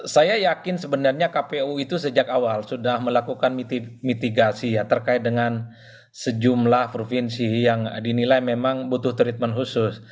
saya yakin sebenarnya kpu itu sejak awal sudah melakukan mitigasi ya terkait dengan sejumlah provinsi yang dinilai memang butuh treatment khusus